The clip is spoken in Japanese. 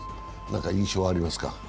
何か印象ありますか？